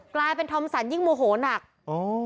กลายเป็นธรรมสรรค์ยิ่งโมโหหนักเหรอ